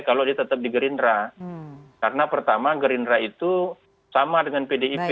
kalau dia tetap di gerindra karena pertama gerindra itu sama dengan pdip